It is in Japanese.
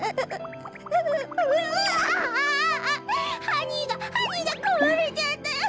ハニーがハニーがこわれちゃったよ！